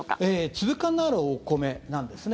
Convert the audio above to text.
粒感のあるお米なんですね。